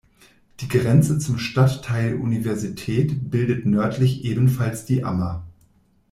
Die Grenze zum Stadtteil Universität bildet nördlich ebenfalls die Ammer.